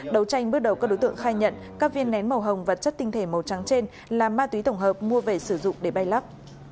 đấu tranh bước đầu các đối tượng khai nhận các viên nén màu hồng và chất tinh thể màu trắng trên là ma túy tổng hợp mua về sử dụng để bay lắc